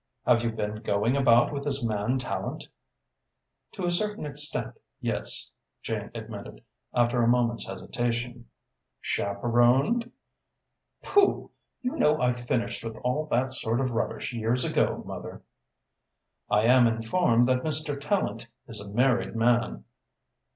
Have you been going about with this man Tallente?" "To a certain extent, yes," Jane admitted, after a moment's hesitation. "Chaperoned?" "Pooh! You know I finished with all that sort of rubbish years ago, mother." "I am informed that Mr. Tallente is a married man."